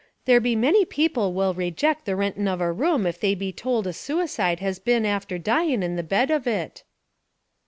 There be many people will rayjict the rentin' of a room if they be tould a suicide has been after dyin' in the bed of it."